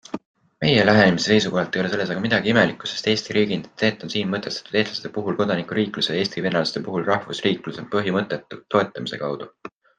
Meie lähenemise seisukohalt ei ole selles aga midagi imelikku, sest Eesti riigiidentiteet on siin mõtestatud eestlaste puhul kodanikuriikluse ja eestivenelaste puhul rahvusriikluse põhimõtete toetamise kaudu.